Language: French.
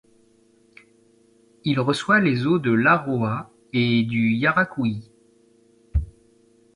Il reçoit les eaux de l'Aroa et du Yaracuy.